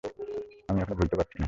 আমি এখনো ভুলতে পারছি না।